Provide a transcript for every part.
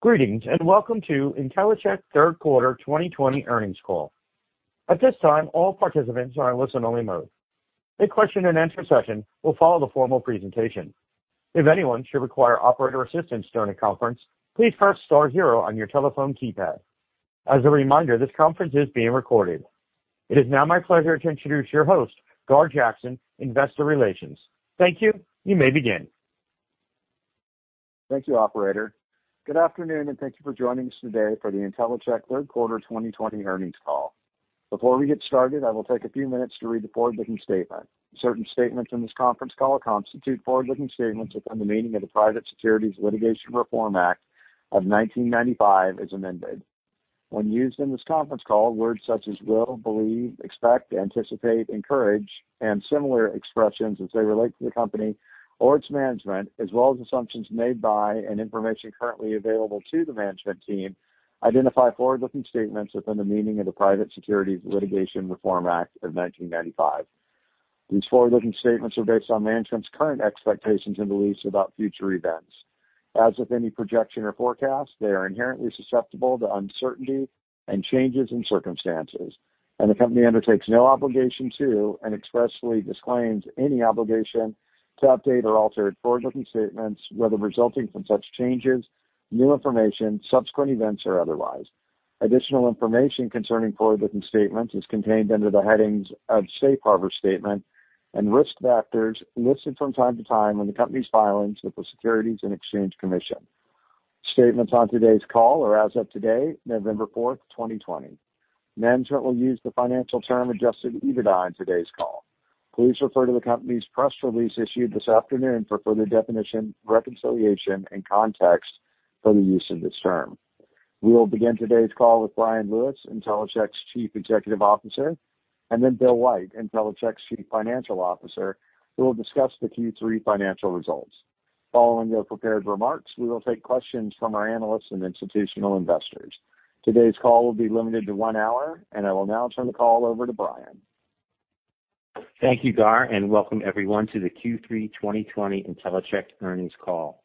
Greetings and welcome to Intellicheck Third Quarter 2020 earnings call. At this time, all participants are in listen-only mode. A question-and-answer session will follow the formal presentation. If anyone should require operator assistance during the conference, please press Star 0 on your telephone keypad. As a reminder, this conference is being recorded. It is now my pleasure to introduce your host, Gar Jackson, Investor Relations. Thank you. You may begin. Thank you, Operator. Good afternoon and thank you for joining us today for the Intellicheck Third Quarter 2020 earnings call. Before we get started, I will take a few minutes to read the forward-looking statement. Certain statements in this conference call constitute forward-looking statements within the meaning of the Private Securities Litigation Reform Act of 1995, as amended. When used in this conference call, words such as will, believe, expect, anticipate, encourage, and similar expressions as they relate to the company or its management, as well as assumptions made by and information currently available to the management team, identify forward-looking statements within the meaning of the Private Securities Litigation Reform Act of 1995. These forward-looking statements are based on management's current expectations and beliefs about future events. As with any projection or forecast, they are inherently susceptible to uncertainty and changes in circumstances, and the company undertakes no obligation to and expressly disclaims any obligation to update or alter its forward-looking statements, whether resulting from such changes, new information, subsequent events, or otherwise. Additional information concerning forward-looking statements is contained under the headings of Safe Harbor Statement and Risk Factors, listed from time to time in the company's filings with the Securities and Exchange Commission. Statements on today's call are, as of today, November 4th, 2020. Management will use the financial term Adjusted EBITDA in today's call. Please refer to the company's press release issued this afternoon for further definition, reconciliation, and context for the use of this term. We will begin today's call with Bryan Lewis, Intellicheck's Chief Executive Officer, and then Bill White, Intellicheck's Chief Financial Officer, who will discuss the Q3 financial results. Following your prepared remarks, we will take questions from our analysts and institutional investors. Today's call will be limited to one hour, and I will now turn the call over to Bryan. Thank you, Gar, and welcome everyone to the Q3 2020 Intellicheck earnings call.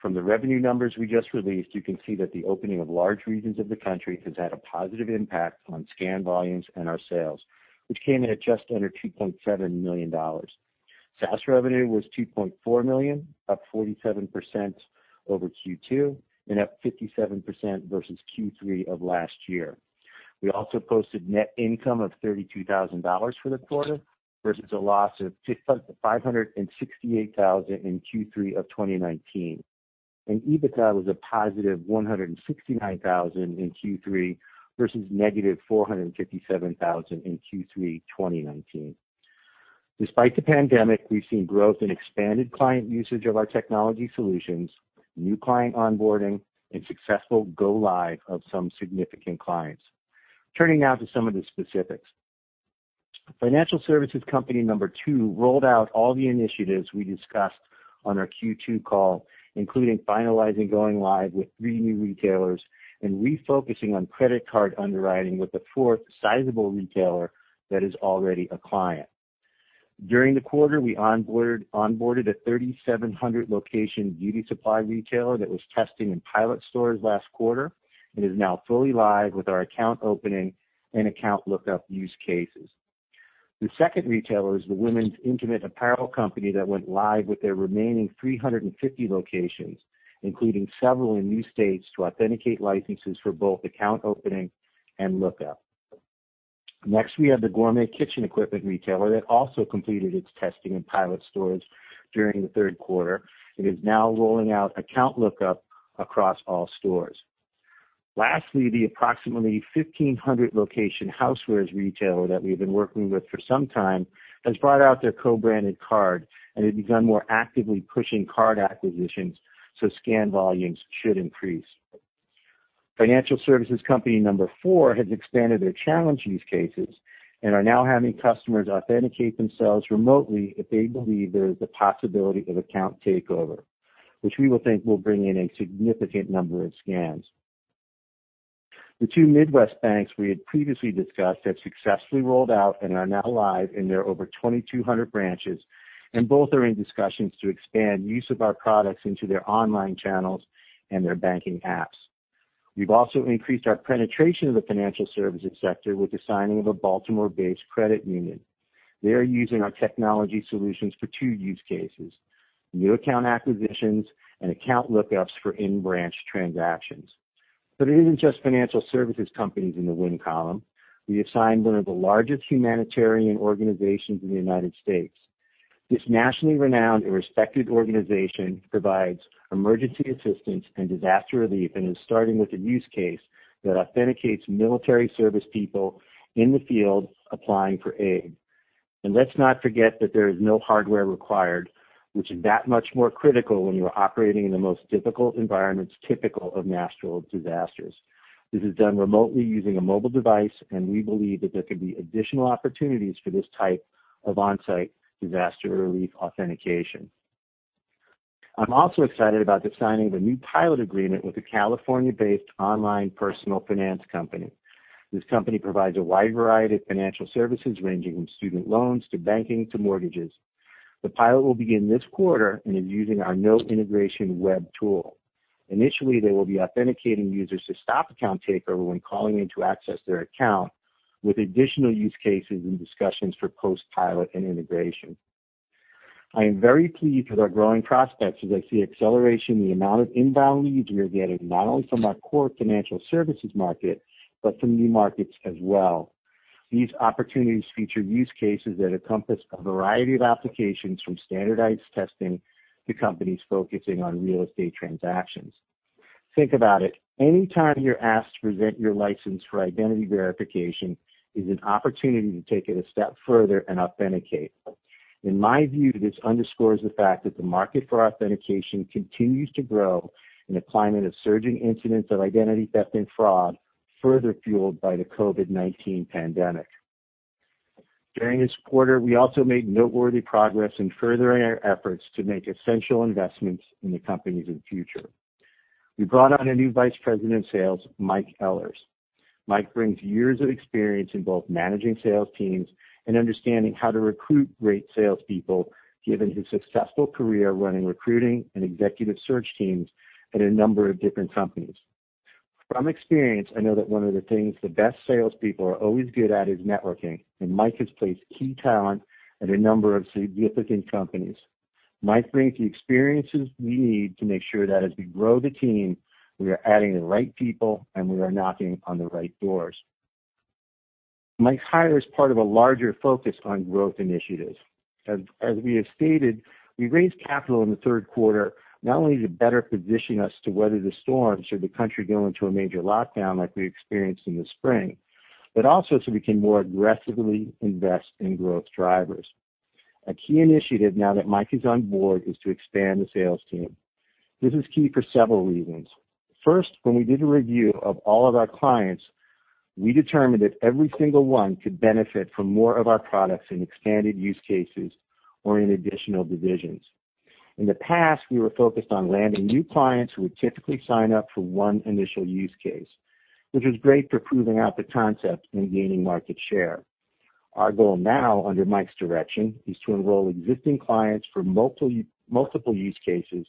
From the revenue numbers we just released, you can see that the opening of large regions of the country has had a positive impact on scan volumes and our sales, which came in at just under $2.7 million. SaaS revenue was $2.4 million, up 47% over Q2, and up 57% versus Q3 of last year. We also posted net income of $32,000 for the quarter versus a loss of $568,000 in Q3 of 2019, and EBITDA was a positive $169,000 in Q3 versus negative $457,000 in Q3 2019. Despite the pandemic, we've seen growth in expanded client usage of our technology solutions, new client onboarding, and successful go-live of some significant clients. Turning now to some of the specifics. Financial services company number two rolled out all the initiatives we discussed on our Q2 call, including finalizing going live with three new retailers and refocusing on credit card underwriting with the fourth sizable retailer that is already a client. During the quarter, we onboarded a 3,700-location beauty supply retailer that was testing in pilot stores last quarter and is now fully live with our account opening and account lookup use cases. The second retailer is the women's intimate apparel company that went live with their remaining 350 locations, including several in new states, to authenticate licenses for both account opening and lookup. Next, we have the gourmet kitchen equipment retailer that also completed its testing in pilot stores during the third quarter and is now rolling out account lookup across all stores. Lastly, the approximately 1,500-location housewares retailer that we have been working with for some time has brought out their co-branded card and has begun more actively pushing card acquisitions, so scan volumes should increase. Financial services company number four has expanded their challenge use cases and are now having customers authenticate themselves remotely if they believe there is the possibility of account takeover, which we will think will bring in a significant number of scans. The two Midwest banks we had previously discussed have successfully rolled out and are now live in their over 2,200 branches, and both are in discussions to expand use of our products into their online channels and their banking apps. We've also increased our penetration of the financial services sector with the signing of a Baltimore-based credit union. They are using our technology solutions for two use cases: new account acquisitions and account lookups for in-branch transactions. But it isn't just financial services companies in the win column. We have signed one of the largest humanitarian organizations in the United States. This nationally renowned and respected organization provides emergency assistance and disaster relief and is starting with a use case that authenticates military service people in the field applying for aid. And let's not forget that there is no hardware required, which is that much more critical when you're operating in the most difficult environments typical of natural disasters. This is done remotely using a mobile device, and we believe that there can be additional opportunities for this type of on-site disaster relief authentication. I'm also excited about the signing of a new pilot agreement with a California-based online personal finance company. This company provides a wide variety of financial services ranging from student loans to banking to mortgages. The pilot will begin this quarter and is using our no-integration web tool. Initially, they will be authenticating users to stop account takeover when calling in to access their account, with additional use cases and discussions for post-pilot and integration. I am very pleased with our growing prospects as I see acceleration in the amount of inbound leads we are getting not only from our core financial services market but from new markets as well. These opportunities feature use cases that encompass a variety of applications from standardized testing to companies focusing on real estate transactions. Think about it. Anytime you're asked to present your license for identity verification is an opportunity to take it a step further and authenticate. In my view, this underscores the fact that the market for authentication continues to grow in a climate of surging incidents of identity theft and fraud, further fueled by the COVID-19 pandemic. During this quarter, we also made noteworthy progress in furthering our efforts to make essential investments in the company's future. We brought on a new Vice President of Sales, Mike Ehlers. Mike brings years of experience in both managing sales teams and understanding how to recruit great salespeople, given his successful career running recruiting and executive search teams at a number of different companies. From experience, I know that one of the things the best salespeople are always good at is networking, and Mike has placed key talent at a number of significant companies. Mike brings the experiences we need to make sure that as we grow the team, we are adding the right people and we are knocking on the right doors. Mike's hire is part of a larger focus on growth initiatives. As we have stated, we raised capital in the third quarter not only to better position us to weather the storm should the country go into a major lockdown like we experienced in the spring, but also so we can more aggressively invest in growth drivers. A key initiative now that Mike is on board is to expand the sales team. This is key for several reasons. First, when we did a review of all of our clients, we determined that every single one could benefit from more of our products in expanded use cases or in additional divisions. In the past, we were focused on landing new clients who would typically sign up for one initial use case, which was great for proving out the concept and gaining market share. Our goal now, under Mike's direction, is to enroll existing clients for multiple use cases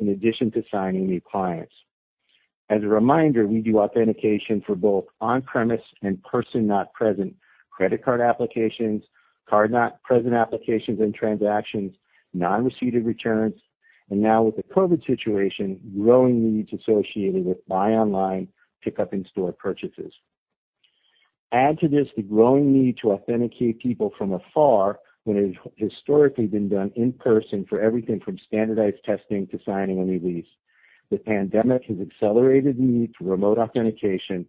in addition to signing new clients. As a reminder, we do authentication for both on-premise and person-not-present credit card applications, card-not-present applications and transactions, non-receipted returns, and now with the COVID situation, growing needs associated with buy-online, pick-up-in-store purchases. Add to this the growing need to authenticate people from afar when it has historically been done in person for everything from standardized testing to signing a new lease. The pandemic has accelerated the need for remote authentication,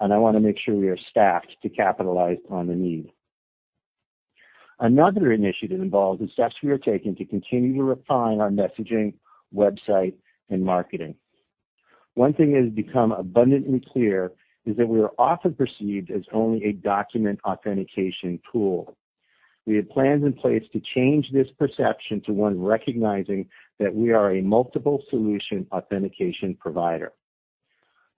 and I want to make sure we are staffed to capitalize on the need. Another initiative involves the steps we are taking to continue to refine our messaging, website, and marketing. One thing that has become abundantly clear is that we are often perceived as only a document authentication tool. We have plans in place to change this perception to one recognizing that we are a multiple solution authentication provider.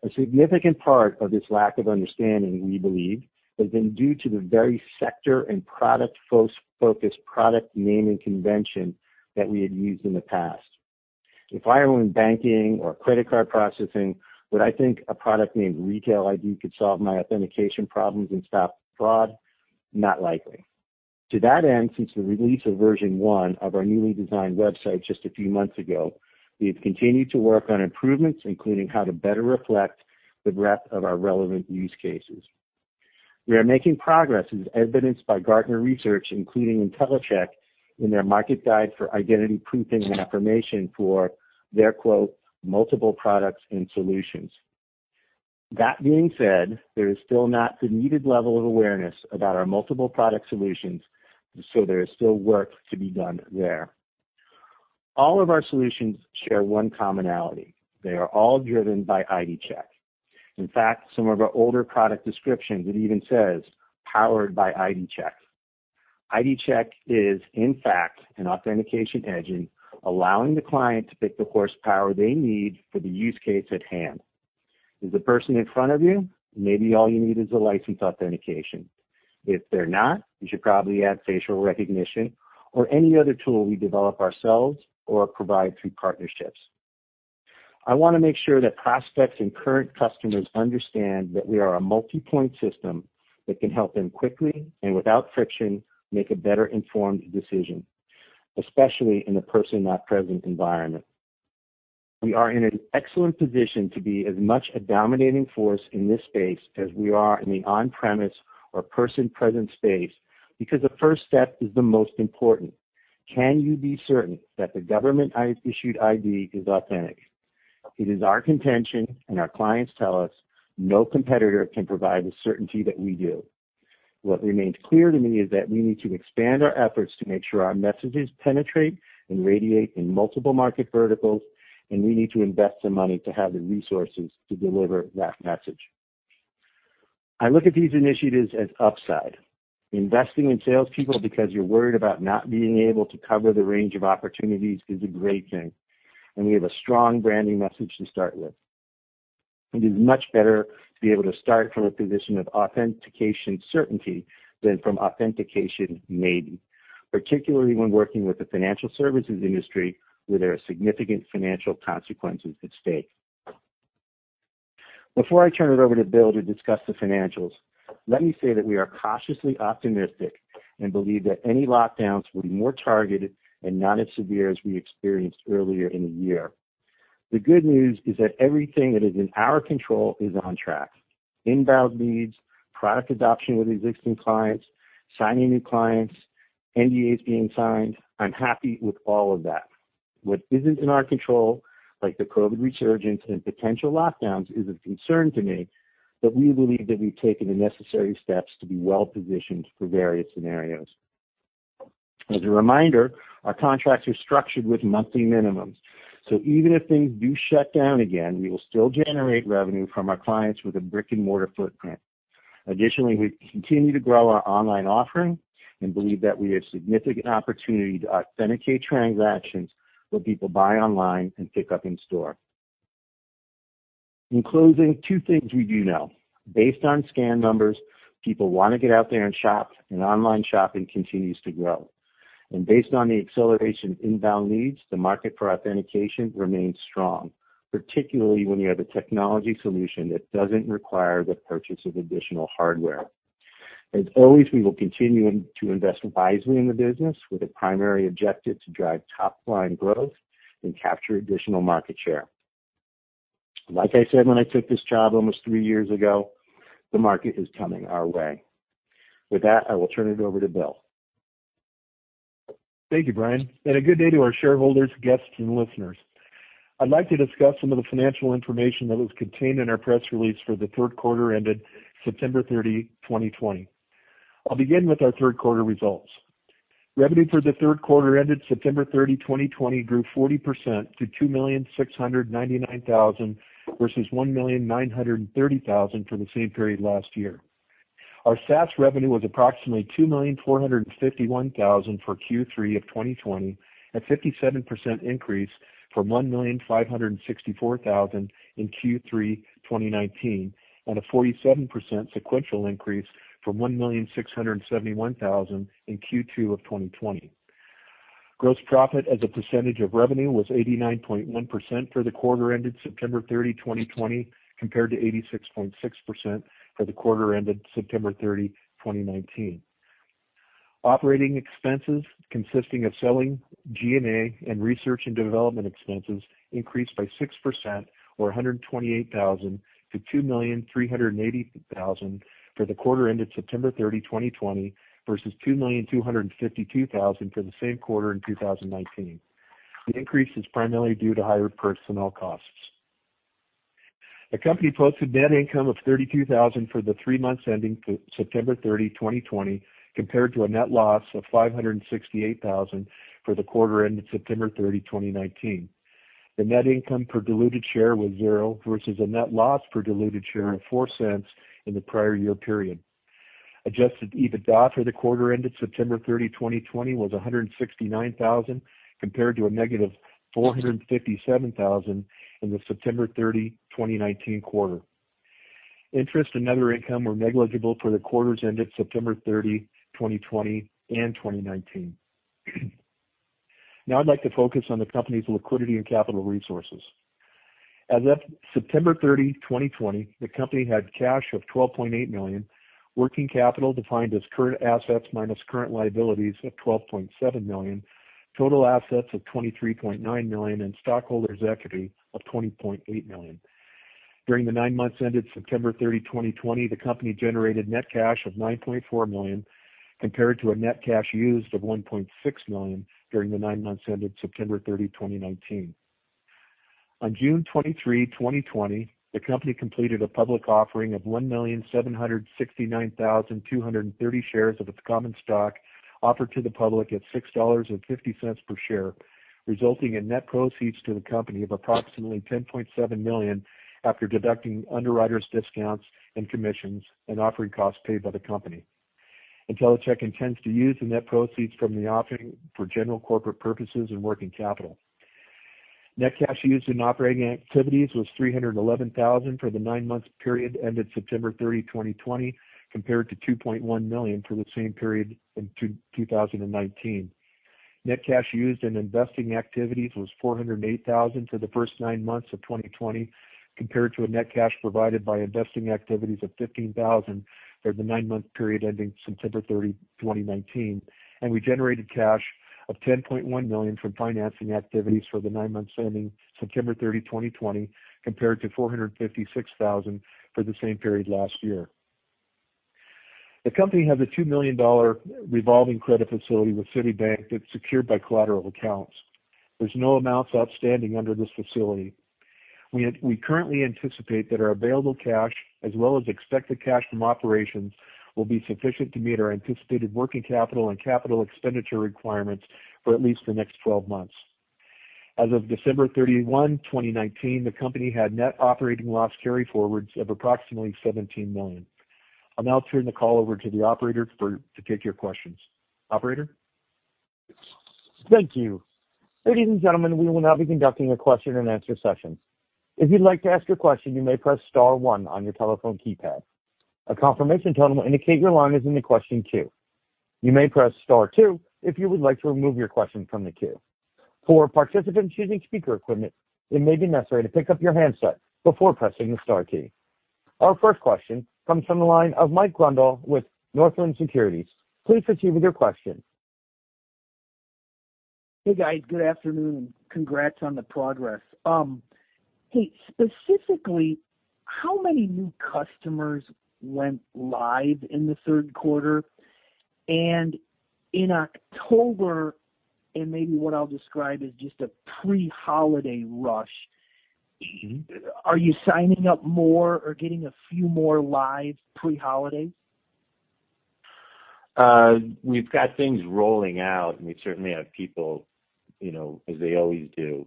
A significant part of this lack of understanding, we believe, has been due to the very sector and product-focused product naming convention that we had used in the past. If I were in banking or credit card processing, would I think a product named Retail ID could solve my authentication problems and stop fraud? Not likely. To that end, since the release of version one of our newly designed website just a few months ago, we have continued to work on improvements, including how to better reflect the breadth of our relevant use cases. We are making progress, as evidenced by Gartner Research, including Intellicheck in their market guide for identity proofing and affirmation for their quote, "Multiple products and solutions." That being said, there is still not the needed level of awareness about our multiple product solutions, so there is still work to be done there. All of our solutions share one commonality: they are all driven by ID Check. In fact, some of our older product descriptions it even says, "Powered by ID Check." ID Check is, in fact, an authentication engine allowing the client to pick the horsepower they need for the use case at hand. Is the person in front of you? Maybe all you need is a license authentication. If they're not, you should probably add facial recognition or any other tool we develop ourselves or provide through partnerships. I want to make sure that prospects and current customers understand that we are a multi-point system that can help them quickly and without friction make a better informed decision, especially in a person-not-present environment. We are in an excellent position to be as much a dominating force in this space as we are in the on-premise or person-present space because the first step is the most important. Can you be certain that the government-issued ID is authentic? It is our contention, and our clients tell us, no competitor can provide the certainty that we do. What remains clear to me is that we need to expand our efforts to make sure our messages penetrate and radiate in multiple market verticals, and we need to invest the money to have the resources to deliver that message. I look at these initiatives as upside. Investing in salespeople because you're worried about not being able to cover the range of opportunities is a great thing, and we have a strong branding message to start with. It is much better to be able to start from a position of authentication certainty than from authentication maybe, particularly when working with the financial services industry where there are significant financial consequences at stake. Before I turn it over to Bill to discuss the financials, let me say that we are cautiously optimistic and believe that any lockdowns will be more targeted and not as severe as we experienced earlier in the year. The good news is that everything that is in our control is on track: inbound leads, product adoption with existing clients, signing new clients, NDAs being signed. I'm happy with all of that. What isn't in our control, like the COVID resurgence and potential lockdowns, is of concern to me, but we believe that we've taken the necessary steps to be well-positioned for various scenarios. As a reminder, our contracts are structured with monthly minimums, so even if things do shut down again, we will still generate revenue from our clients with a brick-and-mortar footprint. Additionally, we continue to grow our online offering and believe that we have significant opportunity to authenticate transactions where people buy online and pick up in store. In closing, two things we do know. Based on scan numbers, people want to get out there and shop, and online shopping continues to grow. And based on the acceleration of inbound leads, the market for authentication remains strong, particularly when you have a technology solution that doesn't require the purchase of additional hardware. As always, we will continue to invest wisely in the business with a primary objective to drive top-line growth and capture additional market share. Like I said when I took this job almost three years ago, the market is coming our way. With that, I will turn it over to Bill. Thank you, Bryan. A good day to our shareholders, guests, and listeners. I'd like to discuss some of the financial information that was contained in our press release for the third quarter ended September 30, 2020. I'll begin with our third quarter results. Revenue for the third quarter ended September 30, 2020, grew 40% to $2,699,000 versus $1,930,000 for the same period last year. Our SaaS revenue was approximately $2,451,000 for Q3 of 2020, a 57% increase from $1,564,000 in Q3 2019, and a 47% sequential increase from $1,671,000 in Q2 of 2020. Gross profit as a percentage of revenue was 89.1% for the quarter ended September 30, 2020, compared to 86.6% for the quarter ended September 30, 2019. Operating expenses consisting of selling, G&A, and research and development expenses increased by 6%, or $128,000, to $2,380,000 for the quarter ended September 30, 2020, versus $2,252,000 for the same quarter in 2019. The increase is primarily due to higher personnel costs. The company posted net income of $32,000 for the three months ending September 30, 2020, compared to a net loss of $568,000 for the quarter ended September 30, 2019. The net income per diluted share was $0.00 versus a net loss per diluted share of $0.04 in the prior year period. Adjusted EBITDA for the quarter ended September 30, 2020, was $169,000 compared to a negative $457,000 in the September 30, 2019 quarter. Interest and other income were negligible for the quarters ended September 30, 2020, and 2019. Now I'd like to focus on the company's liquidity and capital resources. As of September 30, 2020, the company had cash of $12.8 million, working capital defined as current assets minus current liabilities of $12.7 million, total assets of $23.9 million, and stockholders' equity of $20.8 million. During the nine months ended September 30, 2020, the company generated net cash of $9.4 million compared to a net cash used of $1.6 million during the nine months ended September 30, 2019. On June 23, 2020, the company completed a public offering of 1,769,230 shares of its common stock offered to the public at $6.50 per share, resulting in net proceeds to the company of approximately $10.7 million after deducting underwriters' discounts and commissions and offering costs paid by the company. Intellicheck intends to use the net proceeds from the offering for general corporate purposes and working capital. Net cash used in operating activities was $311,000 for the nine months period ended September 30, 2020, compared to $2.1 million for the same period in 2019. Net cash used in investing activities was $408,000 for the first nine months of 2020 compared to a net cash provided by investing activities of $15,000 for the nine months period ending September 30, 2019. We generated cash of $10.1 million from financing activities for the nine months ending September 30, 2020, compared to $456,000 for the same period last year. The company has a $2 million revolving credit facility with Citibank that's secured by collateral accounts. There's no amounts outstanding under this facility. We currently anticipate that our available cash, as well as expected cash from operations, will be sufficient to meet our anticipated working capital and capital expenditure requirements for at least the next 12 months. As of December 31, 2019, the company had Net Operating Loss Carry Forwards of approximately $17 million. I'll now turn the call over to the operator to take your questions. Operator? Thank you. Ladies and gentlemen, we will now be conducting a question and answer session. If you'd like to ask your question, you may press star one on your telephone keypad. A confirmation tone will indicate your line is in the question queue. You may press star two if you would like to remove your question from the queue. For participants using speaker equipment, it may be necessary to pick up your handset before pressing the star key. Our first question comes from the line of Mike Grondahl with Northland Securities. Please proceed with your question. Hey, guys. Good afternoon and congrats on the progress. Hey, specifically, how many new customers went live in the third quarter? And in October, and maybe what I'll describe as just a pre-holiday rush, are you signing up more or getting a few more live pre-holidays? We've got things rolling out, and we certainly have people, as they always do,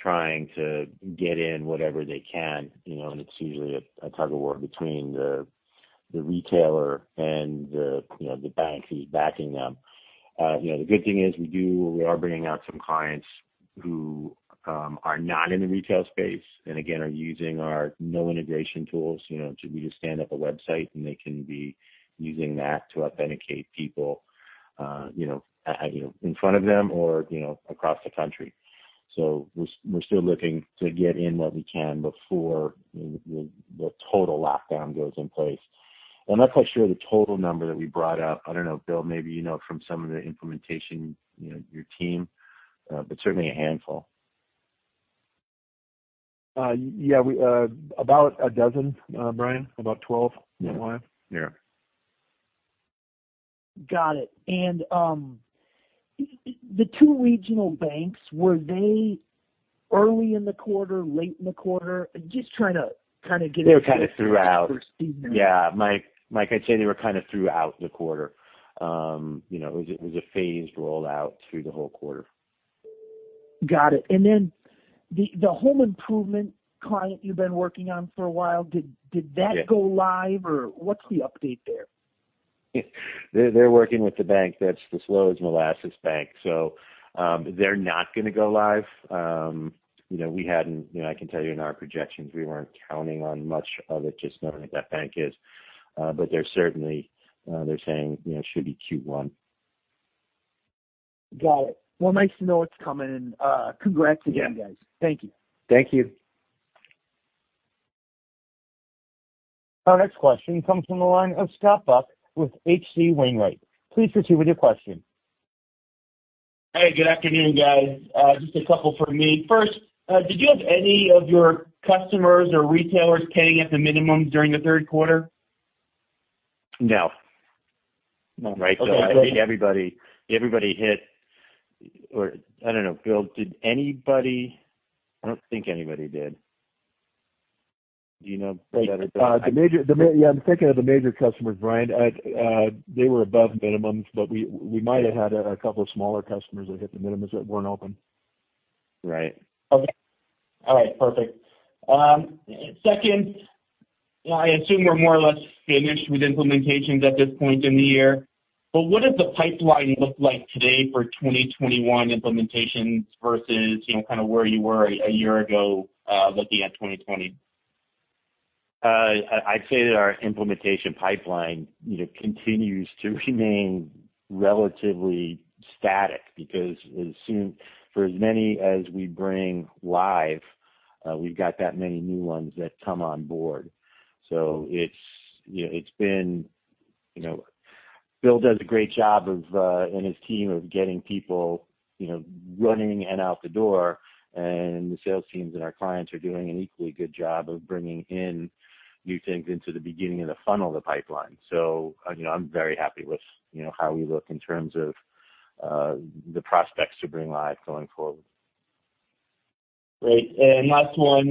trying to get in whatever they can. And it's usually a tug-of-war between the retailer and the bank who's backing them. The good thing is we are bringing out some clients who are not in the retail space and, again, are using our no-integration tools. We just stand up a website, and they can be using that to authenticate people in front of them or across the country. So we're still looking to get in what we can before the total lockdown goes in place. I'm not quite sure the total number that we brought out. I don't know. Bill, maybe you know from some of the implementation, your team, but certainly a handful. Yeah, about a dozen, Bryan, about 12. Yeah. Got it. And the two regional banks, were they early in the quarter, late in the quarter? Just trying to kind of get a sense of. They were kind of throughout. Yeah. Like I said, they were kind of throughout the quarter. It was a phased rollout through the whole quarter. Got it. And then the home improvement client you've been working on for a while, did that go live or what's the update there? They're working with the bank that's the slowest and the latest bank, so they're not going to go live. I can tell you in our projections, we weren't counting on much of it, just knowing what that bank is. But they're certainly saying it should be Q1. Got it. Well, nice to know it's coming. And congrats again, guys. Thank you. Thank you. Our next question comes from the line of Scott Buck with H.C. Wainwright. Please proceed with your question. Hey, good afternoon, guys. Just a couple for me. First, did you have any of your customers or retailers paying at the minimum during the third quarter? No. Right? So I think everybody hit. I don't know. Bill, did anybody? I don't think anybody did. Do you know? Yeah, I'm thinking of the major customers, Bryan. They were above minimums, but we might have had a couple of smaller customers that hit the minimums that weren't open. Right. Okay. All right. Perfect. Second, I assume we're more or less finished with implementations at this point in the year. But what does the pipeline look like today for 2021 implementations versus kind of where you were a year ago looking at 2020? I'd say that our implementation pipeline continues to remain relatively static because for as many as we bring live, we've got that many new ones that come on board. So it's been, Bill does a great job in his team of getting people running and out the door, and the sales teams and our clients are doing an equally good job of bringing in new things into the beginning of the funnel of the pipeline. So I'm very happy with how we look in terms of the prospects to bring live going forward. Great. And last one,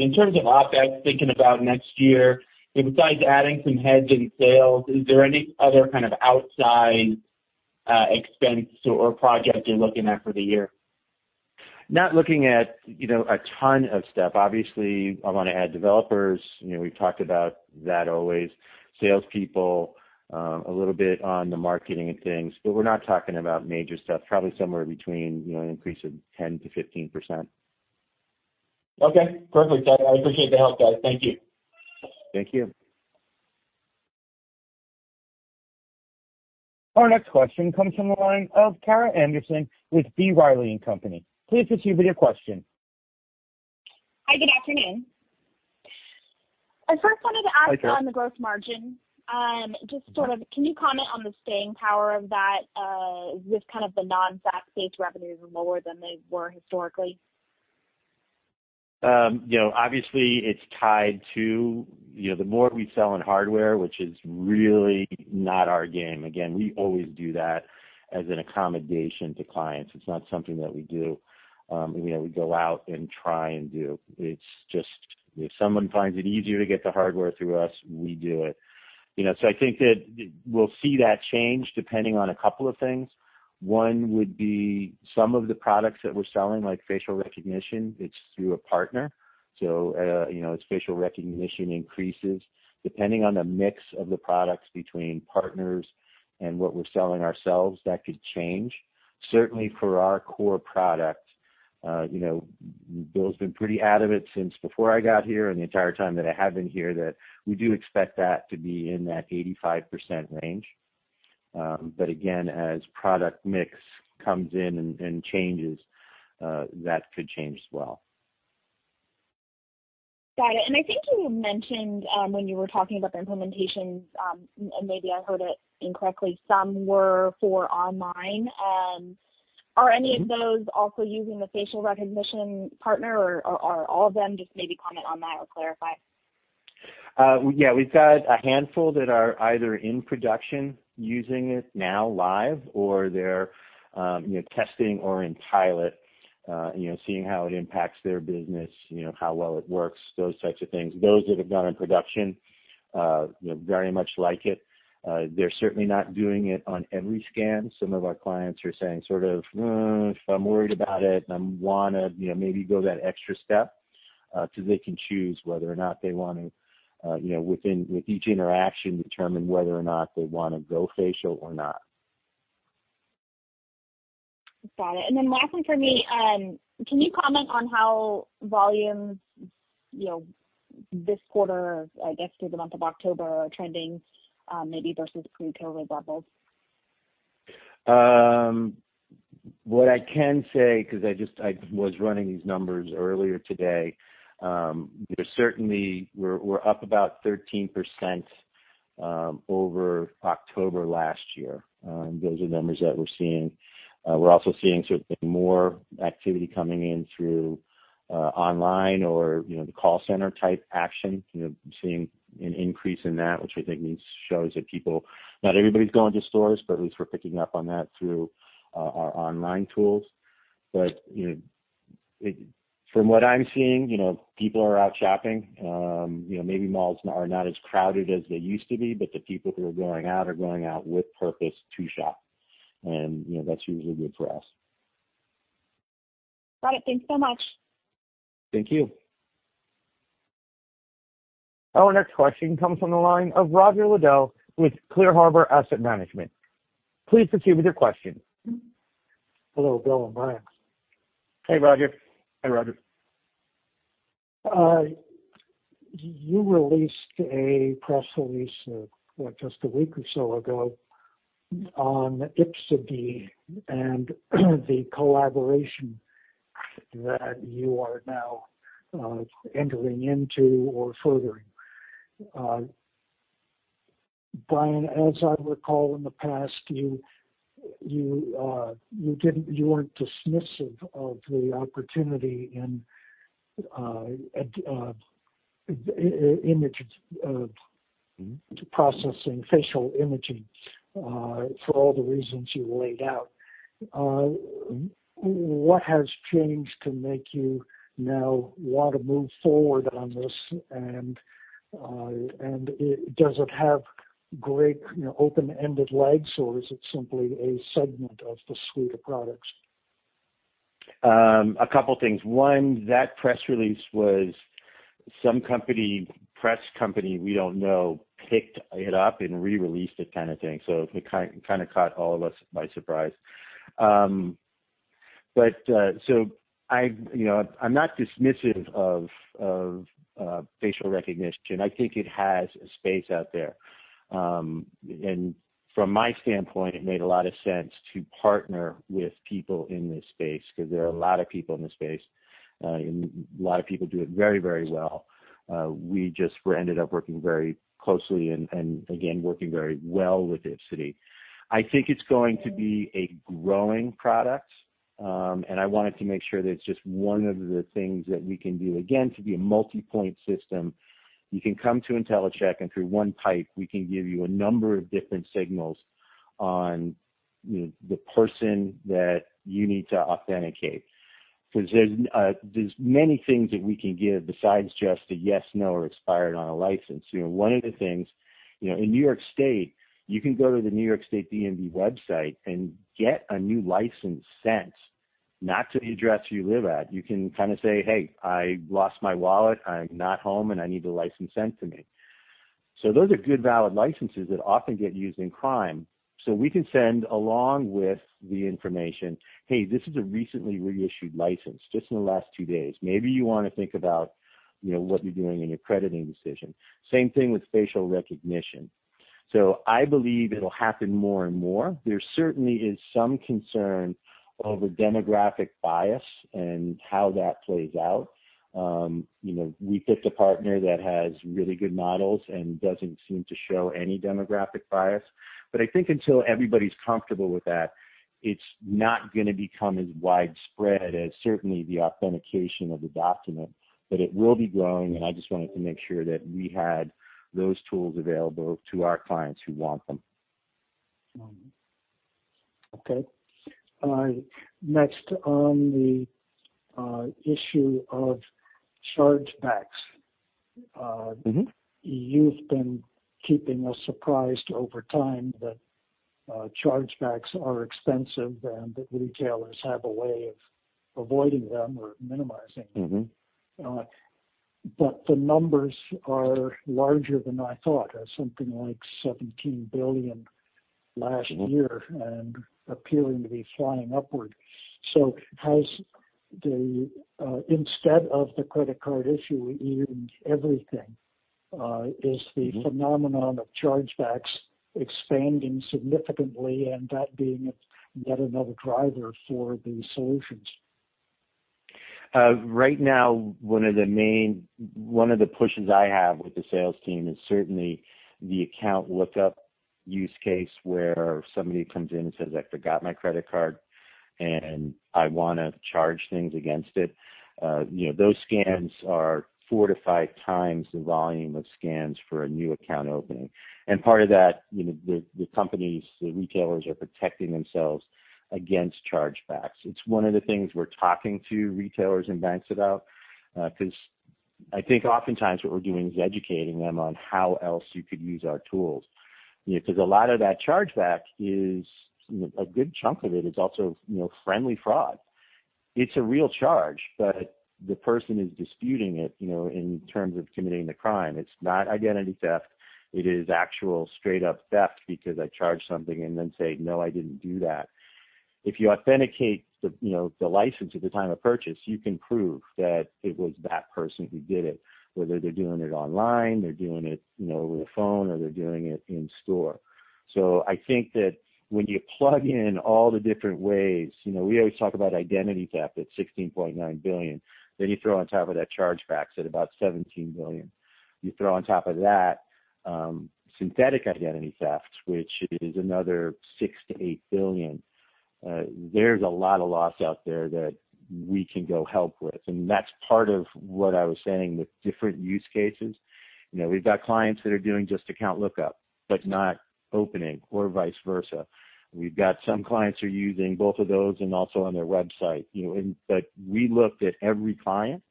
in terms of OpEx, thinking about next year, besides adding some heads in sales, is there any other kind of outside expense or project you're looking at for the year? Not looking at a ton of stuff. Obviously, I want to add developers. We've talked about that always. Salespeople, a little bit on the marketing and things. But we're not talking about major stuff. Probably somewhere between an increase of 10% to 15%. Okay. Perfect. I appreciate the help, guys. Thank you. Thank you. Our next question comes from the line of Kara Anderson with B. Riley & Co. Please proceed with your question. Hi. Good afternoon. I first wanted to ask on the gross margin. Just sort of, can you comment on the staying power of that with kind of the non-SaaS-based revenues lower than they were historically? Obviously, it's tied to the more we sell in hardware, which is really not our game. Again, we always do that as an accommodation to clients. It's not something that we do. We go out and try and do. It's just if someone finds it easier to get the hardware through us, we do it. So I think that we'll see that change depending on a couple of things. One would be some of the products that we're selling, like facial recognition, it's through a partner. So as facial recognition increases, depending on the mix of the products between partners and what we're selling ourselves, that could change. Certainly, for our core product, Bill's been pretty adamant since before I got here and the entire time that I have been here that we do expect that to be in that 85% range. But again, as product mix comes in and changes, that could change as well. Got it. And I think you mentioned when you were talking about the implementations, and maybe I heard it incorrectly, some were for online. Are any of those also using the facial recognition partner, or are all of them? Just maybe comment on that or clarify. Yeah. We've got a handful that are either in production using it now live, or they're testing or in pilot, seeing how it impacts their business, how well it works, those types of things. Those that have gone in production very much like it. They're certainly not doing it on every scan. Some of our clients are saying sort of, "If I'm worried about it, I want to maybe go that extra step," because they can choose whether or not they want to, with each interaction, determine whether or not they want to go facial or not. Got it. And then last one for me, can you comment on how volumes this quarter, I guess through the month of October, are trending maybe versus pre-COVID levels? What I can say, because I was running these numbers earlier today, certainly we're up about 13% over October last year. Those are numbers that we're seeing. We're also seeing certainly more activity coming in through online or the call center type action. We're seeing an increase in that, which I think shows that people, not everybody's going to stores, but at least we're picking up on that through our online tools. But from what I'm seeing, people are out shopping. Maybe malls are not as crowded as they used to be, but the people who are going out are going out with purpose to shop. And that's usually good for us. Got it. Thanks so much. Thank you. Our next question comes from the line of Roger Liddell with Clear Harbor Asset Management. Please proceed with your question. Hello. Bill and Bryan. Hey, Roger. Hey, Roger. You released a press release just a week or so ago on Ipsidy and the collaboration that you are now entering into or furthering. Bryan, as I recall in the past, you weren't dismissive of the opportunity in image processing, facial imaging, for all the reasons you laid out. What has changed to make you now want to move forward on this? Does it have great open-ended legs, or is it simply a segment of the suite of products? A couple of things. One, that press release was some press company we don't know picked it up and re-released it kind of thing. So it kind of caught all of us by surprise. So I'm not dismissive of facial recognition. I think it has a space out there. And from my standpoint, it made a lot of sense to partner with people in this space because there are a lot of people in this space. A lot of people do it very, very well. We just ended up working very closely and, again, working very well with Ipsidy. I think it's going to be a growing product. And I wanted to make sure that it's just one of the things that we can do. Again, to be a multi-point system, you can come to Intellicheck, and through one pipe, we can give you a number of different signals on the person that you need to authenticate. Because there's many things that we can give besides just a yes, no, or expired on a license. One of the things in New York State, you can go to the New York State DMV website and get a new license sent not to the address you live at. You can kind of say, "Hey, I lost my wallet. I'm not home, and I need the license sent to me." So those are good valid licenses that often get used in crime. So we can send along with the information, "Hey, this is a recently reissued license just in the last two days. Maybe you want to think about what you're doing in your crediting decision." Same thing with facial recognition. So I believe it'll happen more and more. There certainly is some concern over demographic bias and how that plays out. We picked a partner that has really good models and doesn't seem to show any demographic bias. But I think until everybody's comfortable with that, it's not going to become as widespread as certainly the authentication of the document. But it will be growing, and I just wanted to make sure that we had those tools available to our clients who want them. Okay. All right. Next, on the issue of chargebacks, you've been keeping us surprised over time that chargebacks are expensive and that retailers have a way of avoiding them or minimizing them. But the numbers are larger than I thought, something like $17 billion last year and appearing to be flying upward. So instead of the credit card issue with you and everything, is the phenomenon of chargebacks expanding significantly and that being yet another driver for the solutions? Right now, one of the pushes I have with the sales team is certainly the account lookup use case where somebody comes in and says, "I forgot my credit card, and I want to charge things against it." Those scans are four to five times the volume of scans for a new account opening. And part of that, the companies, the retailers are protecting themselves against chargebacks. It's one of the things we're talking to retailers and banks about because I think oftentimes what we're doing is educating them on how else you could use our tools. Because a lot of that chargeback is a good chunk of it is also friendly fraud. It's a real charge, but the person is disputing it in terms of committing the crime. It's not identity theft. It is actual straight-up theft because I charge something and then say, "No, I didn't do that." If you authenticate the license at the time of purchase, you can prove that it was that person who did it, whether they're doing it online, they're doing it over the phone, or they're doing it in store. So I think that when you plug in all the different ways, we always talk about identity theft at $16.9 billion. Then you throw on top of that chargebacks at about $17 billion. You throw on top of that synthetic identity theft, which is another $6-$8 billion. There's a lot of loss out there that we can go help with. And that's part of what I was saying with different use cases. We've got clients that are doing just account lookup, but not opening or vice versa. We've got some clients who are using both of those and also on their website. But we looked at every client,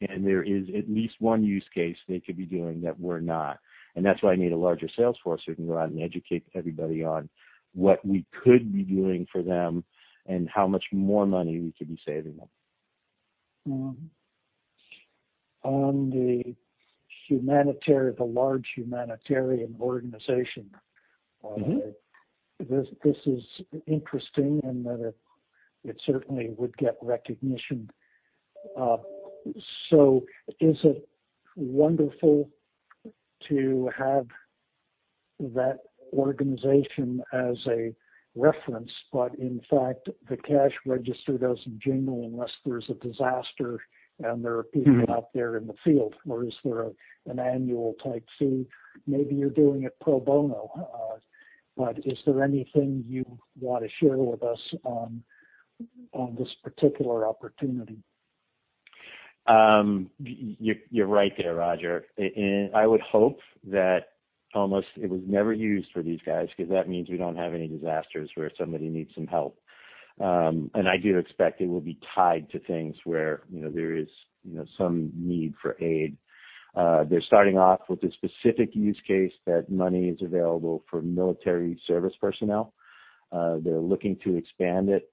and there is at least one use case they could be doing that we're not. And that's why I need a larger salesforce who can go out and educate everybody on what we could be doing for them and how much more money we could be saving them. On the humanitarian, the large humanitarian organization, this is interesting and that it certainly would get recognition. So, is it wonderful to have that organization as a reference, but in fact, the cash register doesn't jingle unless there's a disaster and there are people out there in the field, or is there an annual type fee? Maybe you're doing it pro bono. But is there anything you want to share with us on this particular opportunity? You're right there, Roger. And I would hope that almost it was never used for these guys because that means we don't have any disasters where somebody needs some help. And I do expect it will be tied to things where there is some need for aid. They're starting off with a specific use case that money is available for military service personnel. They're looking to expand it.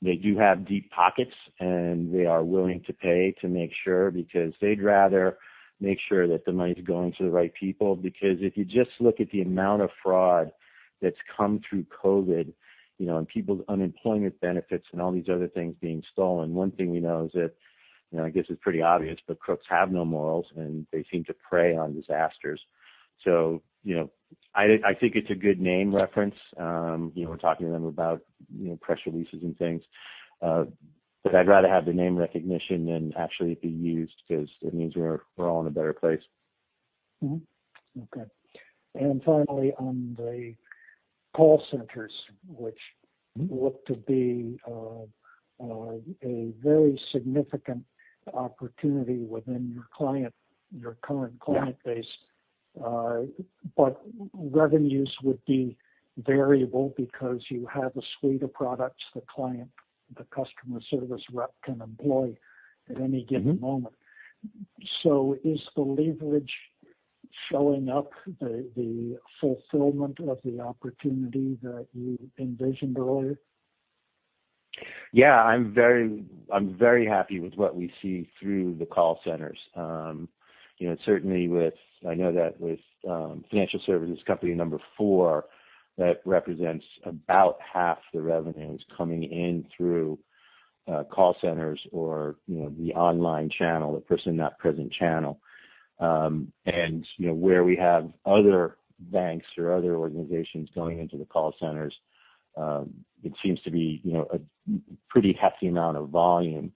They do have deep pockets, and they are willing to pay to make sure because they'd rather make sure that the money's going to the right people. Because if you just look at the amount of fraud that's come through COVID and people's unemployment benefits and all these other things being stolen, one thing we know is that, I guess it's pretty obvious, but crooks have no morals, and they seem to prey on disasters, so I think it's a good name reference. We're talking to them about press releases and things, but I'd rather have the name recognition than actually it be used because it means we're all in a better place. Okay. Finally, on the call centers, which look to be a very significant opportunity within your current client base, but revenues would be variable because you have a suite of products the client, the customer service rep can employ at any given moment. Is the leverage showing up the fulfillment of the opportunity that you envisioned earlier? Yeah. I'm very happy with what we see through the call centers. Certainly, I know that with financial services company number four, that represents about half the revenues coming in through call centers or the online channel, the person-not-present channel. Where we have other banks or other organizations going into the call centers, it seems to be a pretty hefty amount of volume.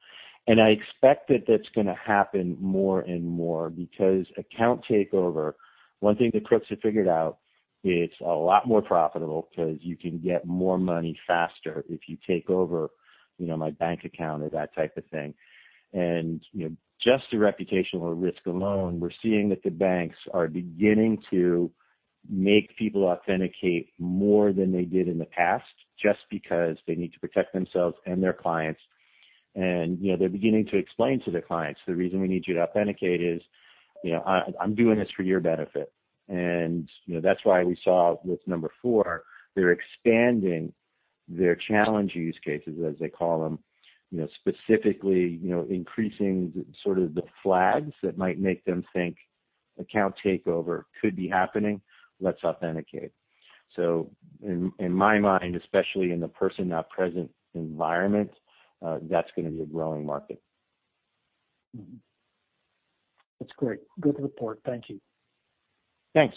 And I expect that that's going to happen more and more because account takeover, one thing that crooks have figured out, it's a lot more profitable because you can get more money faster if you take over my bank account or that type of thing. And just the reputational risk alone, we're seeing that the banks are beginning to make people authenticate more than they did in the past just because they need to protect themselves and their clients. And they're beginning to explain to their clients, "The reason we need you to authenticate is I'm doing this for your benefit." And that's why we saw with number four, they're expanding their challenge use cases, as they call them, specifically increasing sort of the flags that might make them think account takeover could be happening. Let's authenticate. So in my mind, especially in the person not present environment, that's going to be a growing market. That's great. Good report. Thank you. Thanks.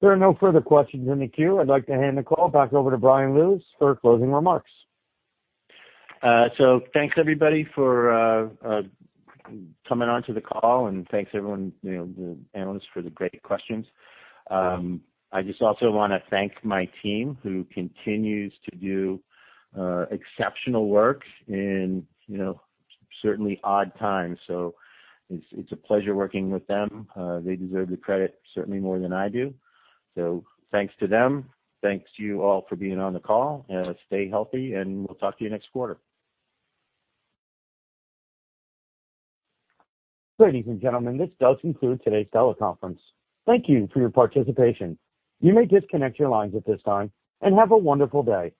There are no further questions in the queue. I'd like to hand the call back over to Bryan Lewis for closing remarks. So thanks, everybody, for coming on to the call. And thanks, everyone, the analysts, for the great questions. I just also want to thank my team who continues to do exceptional work in certainly odd times. So it's a pleasure working with them. They deserve the credit certainly more than I do. So thanks to them. Thanks to you all for being on the call. Stay healthy, and we'll talk to you next quarter. Ladies and gentlemen, this does conclude today's teleconference. Thank you for your participation. You may disconnect your lines at this time and have a wonderful day.